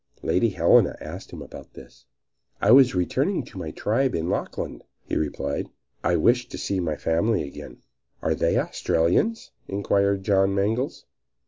Lady Helena asked him about this. "I was returning to my tribe in the Lachlan," he replied. "I wished to see my family again." "Are they Australians?" inquired John Mangles.